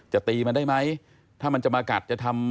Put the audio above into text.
จะตีมันได้ไหมถ้ามันจะมากัดจะทำ